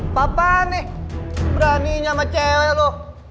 apa apaan nih beraninya sama cewek lo